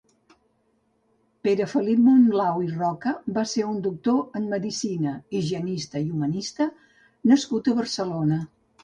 Pere Felip Monlau i Roca va ser un doctor en medicina, higienista i humanista nascut a Barcelona.